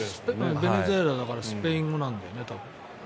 ベネズエラだからスペイン語なんだよね、多分。